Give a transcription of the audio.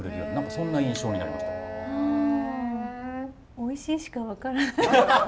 おいしいしか分からない。